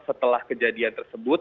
setelah kejadian tersebut